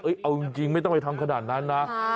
เอาจริงไม่ต้องไปทำขนาดนั้นนะ